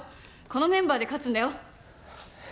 このメンバーで勝つんだよ。